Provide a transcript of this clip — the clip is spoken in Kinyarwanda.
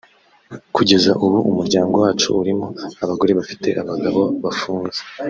kugeza ubu umuryango wacu urimo abagore bafite abagabo bafunze